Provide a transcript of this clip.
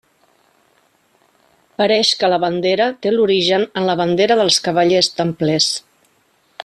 Pareix que la bandera té l'origen en la bandera dels cavallers templers.